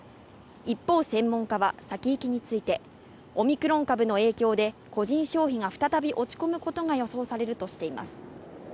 一方、専門家は先行きについて、オミクロン株の影響で個人消費が再び落ち込むことが予想されるとしています。